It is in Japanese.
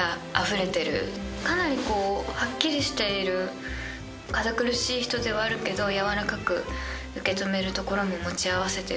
かなりはっきりしている堅苦しい人ではあるけどやわらかく受け止めるところも持ち合わせてる。